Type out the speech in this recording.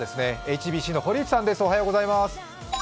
ＨＢＣの堀内さんです。